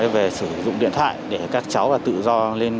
về sử dụng điện thoại để các cháu tự do